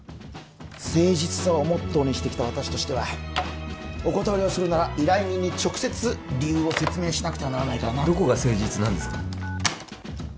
誠実さをモットーにしてきた私としてはお断りをするなら依頼人に直接理由を説明しなくてはならないからなどこが誠実なんですか？